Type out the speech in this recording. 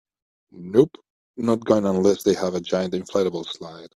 Nope, not going unless they have a giant inflatable slide.